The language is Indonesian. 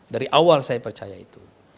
dari awal saya percaya itu